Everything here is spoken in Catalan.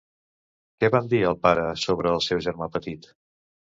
Què van dir al pare sobre el seu germà petit?